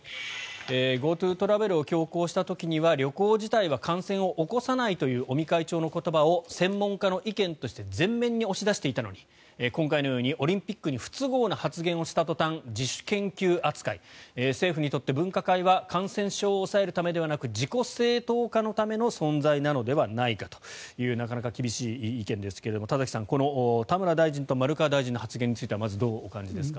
ＧｏＴｏトラベルを強行した時には旅行自体は感染を起こさないという尾身会長の言葉を専門家の意見として前面に押し出していたのに今回のようにオリンピックに不都合な発言をした途端自主研究扱い政府にとって分科会は感染症を抑えるためではなくて自己正当化のための存在なのではないかというなかなか厳しい意見ですが田崎さん田村大臣と丸川大臣の発言についてはまず、どうお感じですか。